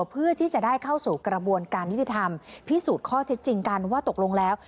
เพื่อที่จะได้เข้าสู่กระบวนการยุติธรรมพิสูจน์ข้อเท็จจริงกันว่าตกลงแล้ว